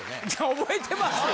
覚えてますよ！